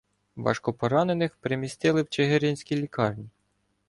Важкопоранених примістили в чигиринській лікарні.